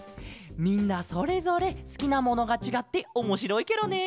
みんなそれぞれすきなものがちがっておもしろいケロね。